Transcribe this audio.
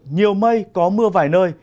nhiều mây có mưa vài nơi